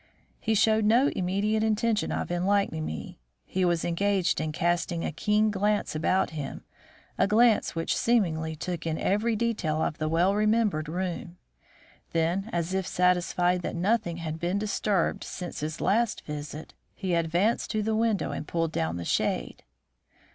He showed no immediate intention of enlightening me. He was engaged in casting a keen glance about him, a glance which seemingly took in every detail of the well remembered room; then, as if satisfied that nothing had been disturbed since his last visit, he advanced to the window and pulled down the shade.